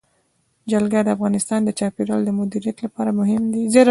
جلګه د افغانستان د چاپیریال د مدیریت لپاره مهم دي.